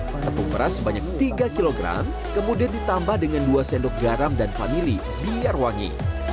tepung beras sebanyak tiga kg kemudian ditambah dengan dua sendok garam dan famili biar wangi